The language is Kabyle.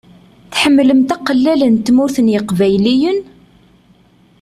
Tḥemmlemt aqellal n Tmurt n yeqbayliyen?